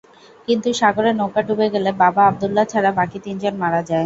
কিন্তু সাগরে নৌকা ডুবে গেলে বাবা আবদুল্লাহ ছাড়া বাকি তিনজন মারা যায়।